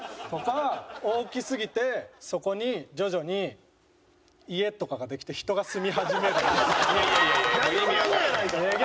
とか大きすぎてそこに徐々に家とかができて人が住み始めるみたいな。